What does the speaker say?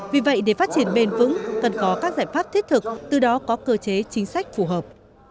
vì vậy để phát triển bền vững cần có các giải pháp thiết thực từ đó có cơ chế chính sách phù hợp